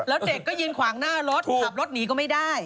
แล้วเด็กก็ยืนขวางหน้ารถขับรถหนีก็ไม่ได้